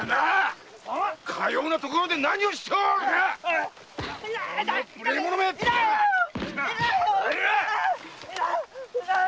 かような所で何をしておる⁉きさま‼痛い！